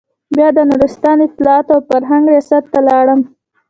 بيا د نورستان اطلاعاتو او فرهنګ رياست ته لاړم.